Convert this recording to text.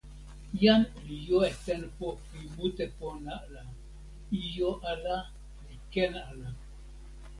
jan li jo e tenpo pi mute pona la, ijo ala li ken ala.